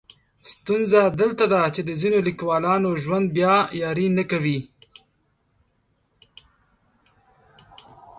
ستونزه دلته ده چې د ځینو لیکولانو ژوند بیا یاري نه کوي.